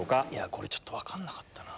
これちょっと分かんなかったな。